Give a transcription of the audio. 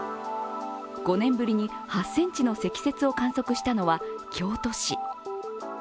５年ぶりの８ｃｍの積雪を観測したのは京都市。